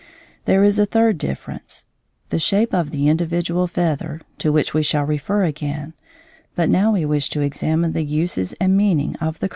There is a third difference, the shape of the individual feather, to which we shall refer again; but now we wish to examine the uses and meaning of the curved end.